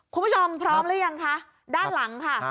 คุณผู้ชมพร้อมหรือยังคะด้านหลังค่ะ